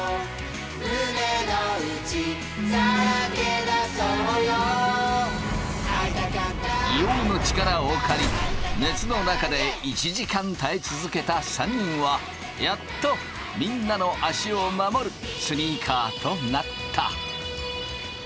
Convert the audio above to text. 硫黄の力を借り熱の中で１時間耐え続けた３人はやっとみんなの足を守るスニーカーとなった。